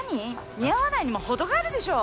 似合わないにも程があるでしょ。